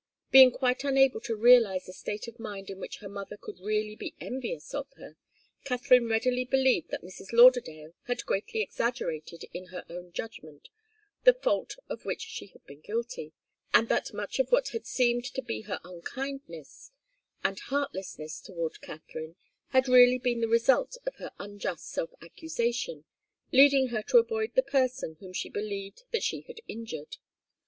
Being quite unable to realize a state of mind in which her mother could really be envious of her, Katharine readily believed that Mrs. Lauderdale had greatly exaggerated in her own judgment the fault of which she had been guilty, and that much of what had seemed to be her unkindness and heartlessness toward Katharine had really been the result of her unjust self accusation, leading her to avoid the person whom she believed that she had injured.